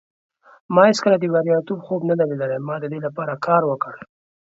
ما هیڅکله د بریالیتوب خوب نه دی لیدلی. ما د دې لپاره کار وکړ.